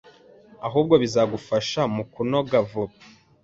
ahubwo bizagufasha mukunoga vuba